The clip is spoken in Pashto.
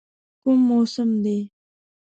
کوم موسم دی؟